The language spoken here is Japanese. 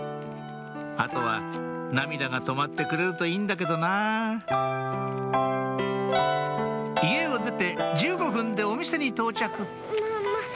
あとは涙が止まってくれるといいんだけどなぁ家を出て１５分でお店に到着ママ。